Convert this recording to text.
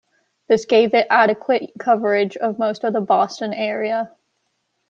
This gave it adequate coverage of most of the Boston area.